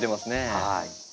はい。